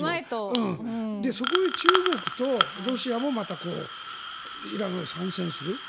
そこへ中国とロシアもまたイランへ参政する。